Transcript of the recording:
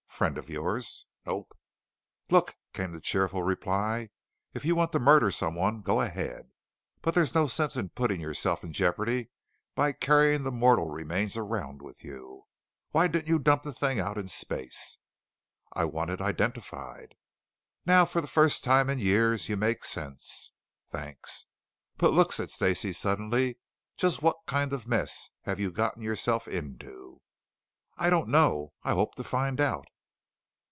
"Friend of yours?" "Nope." "Look," came the cheerful reply, "if you want to murder someone, go ahead. But there's no sense in putting yourself in jeopardy by carrying the mortal remains around with you. Why didn't you dump the thing out in space?" "I want it identified." "Now, for the first time in years, you make sense." "Thanks." "But look," said Stacey suddenly, "just what kind of mess have you gotten yourself into?" "I don't know. I hope to find out."